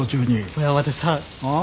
小山田さん。